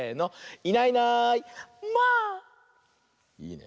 いいね。